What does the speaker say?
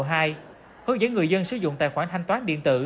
hướng dẫn người dân sử dụng tài khoản thanh toán điện tử